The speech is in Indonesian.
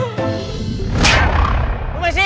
aduh aku minta